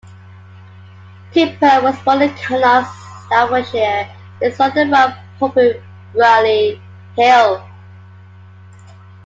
Cooper was born in Cannock, Staffordshire; his father ran a pub in Brierley Hill.